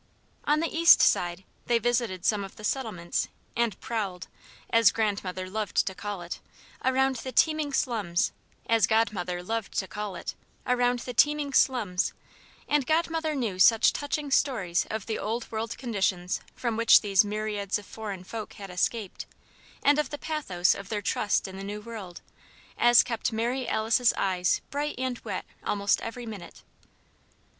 On the East Side they visited some of the Settlements and "prowled" (as Godmother loved to call it) around the teeming slums; and Godmother knew such touching stories of the Old World conditions from which these myriads of foreign folk had escaped, and of the pathos of their trust in the New World, as kept Mary Alice's eyes bright and wet almost every minute.